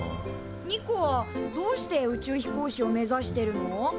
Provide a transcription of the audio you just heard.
ニコはどうして宇宙飛行士を目指してるの？